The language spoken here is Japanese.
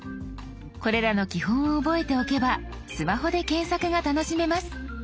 これらの基本を覚えておけばスマホで検索が楽しめます。